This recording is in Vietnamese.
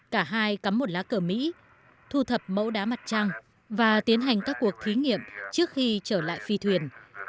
cả hai cắm một lá cờ mỹ thu thập mẫu đá mặt trăng và tiến hành các cuộc thí nghiệm trước khi trở lại phi thuyền